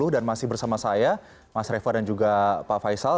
dan masih bersama saya mas reva dan juga pak faisal